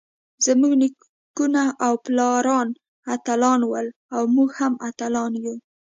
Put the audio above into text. زمونږ نيکونه او پلاران اتلان ول اؤ مونږ هم اتلان يو.